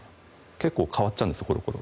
結構変わっちゃうんですコロコロ